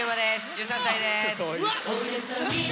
１３歳です。